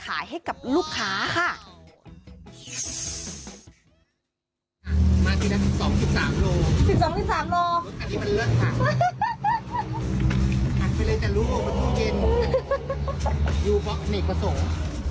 ขัดไปเลยจะรู้ว่ามันทุ่งเกณฑ์อยู่เพราะเหน็กประสงค์